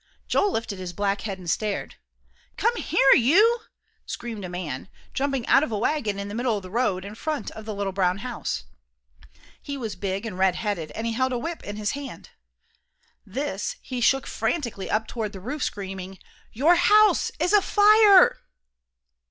Joel lifted his black head and stared. "Come here, you!" screamed a man, jumping out of a wagon in the middle of the road, in front of the little brown house. He was big and redheaded, and he held a whip in his hand. This he shook frantically up toward the roof, screaming, _"Your house is afire!"